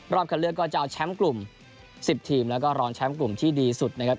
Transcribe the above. คันเลือกก็จะเอาแชมป์กลุ่ม๑๐ทีมแล้วก็รองแชมป์กลุ่มที่ดีสุดนะครับ